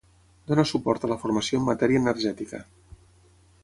Dona suport a la formació en matèria energètica.